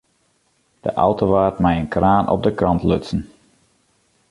De auto waard mei in kraan op de kant lutsen.